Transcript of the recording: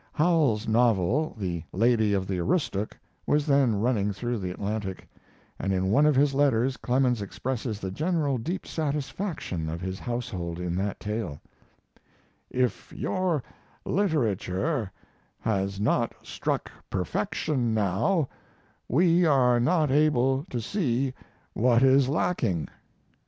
] Howells's novel, 'The Lady of the Aroostook', was then running through the 'Atlantic', and in one of his letters Clemens expresses the general deep satisfaction of his household in that tale: If your literature has not struck perfection now we are not able to see what is lacking.